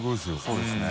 そうですね。